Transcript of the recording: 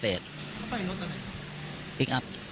เขาไปรถกันไหนพลิกอัพ